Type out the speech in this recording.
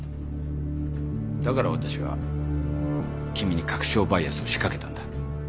だから私は君に確証バイアスを仕掛けたんだ。